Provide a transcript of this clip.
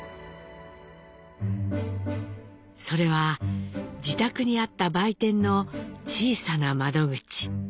それは自宅にあった売店の小さな窓口。